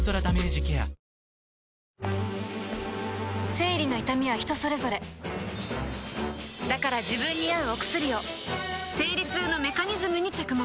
生理の痛みは人それぞれだから自分に合うお薬を生理痛のメカニズムに着目